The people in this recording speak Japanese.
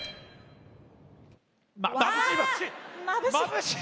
まぶしい！